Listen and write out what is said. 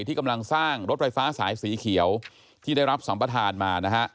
ที่กำลังสร้างรถไฟฟ้าสายสีเขียวที่ได้รับสัมประธานมานะฮะ